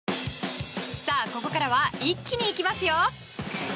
ここからは一気に行きますよ。